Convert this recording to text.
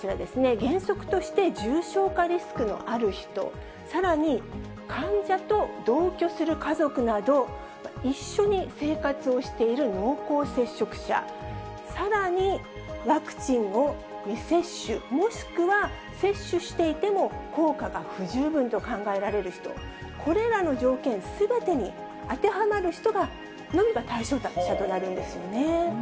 原則として重症化リスクのある人、さらに患者と同居する家族など、一緒に生活をしている濃厚接触者、さらにワクチンを未接種、もしくは接種していても、効果が不十分と考えられる人、これらの条件すべてに当てはまる人のみが対象者となるんですよね。